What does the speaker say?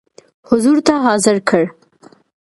حضور ته حاضر کړ.